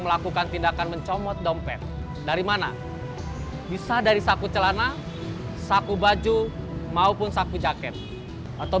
melakukan tindakan mencomot dompet dari mana bisa dari saku celana saku baju maupun saku jaket atau